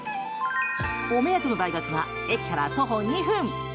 お目当ての大学は駅から徒歩２分。